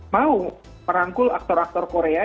mau merangkul aktor aktor korea